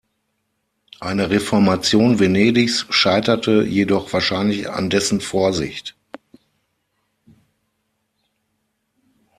Eine Reformation Venedigs scheiterte jedoch wahrscheinlich an dessen Vorsicht.